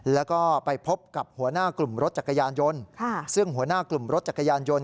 แล้วก็ไปพบกับหัวหน้ากลุ่มรถจักรยานยนต์ซึ่งหัวหน้ากลุ่มรถจักรยานยนต